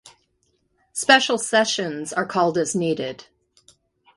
Special sessions are called as needed.